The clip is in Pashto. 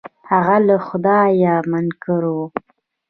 هغه له خدايه منکر و.